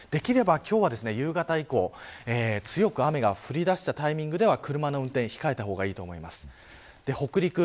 できれば今日、夕方以降強く雨が降り出したタイミングでは車の運転控えた方がいいと思います。